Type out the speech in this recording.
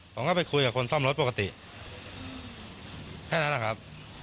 ผมก็ไปคุยกับคนซ่อมรถปกติแค่นั้นแหละครับ